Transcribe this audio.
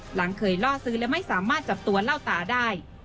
หลังเคยล่อซื้อและไม่สามารถจับตัวเล่าตาได้